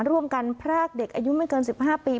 ร่วมกันพรากเด็กอายุไม่เกิน๑๕ปี